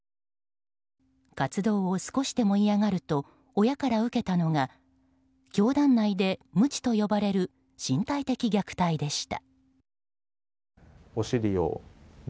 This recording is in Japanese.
活動を少しでも嫌がると親から受けたのが教団内でムチと呼ばれる身体的虐待でした。